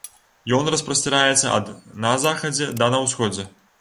Ён распасціраецца ад на захадзе да на ўсходзе.